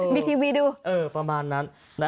มีทีวีดูประมาณนั้น